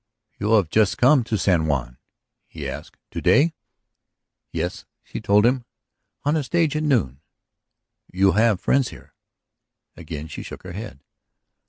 "You have just come to San Juan?" he asked. "To day?" "Yes," she told him. "On the stage at noon." "You have friends here?" Again she shook her head.